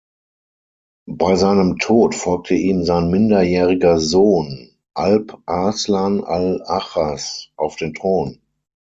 Bei seinem Tod folgte ihm sein minderjähriger Sohn Alp-Arslan al-Achras auf den Thron.